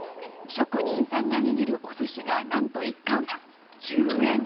職人さんが握るお寿司が何と１貫１０円。